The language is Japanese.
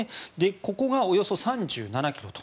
ここがおよそ３７ｋｍと。